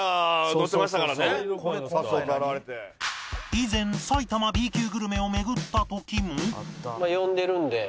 以前埼玉 Ｂ 級グルメを巡った時も